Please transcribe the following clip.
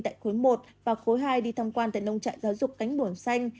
tại khối một và khối hai đi thăm quan tại nông trại giáo dục cánh buồm xanh